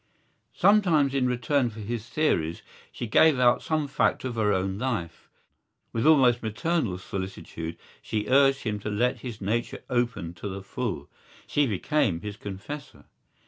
Sometimes in return for his theories she gave out some fact of her own life. With almost maternal solicitude she urged him to let his nature open to the full: she became his confessor.